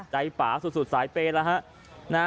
จัยป่ะสุดสายเปย์ละฮะ